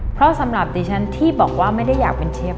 เพราะสำหรับดิฉันที่บอกว่าไม่ได้อยากเป็นเชฟ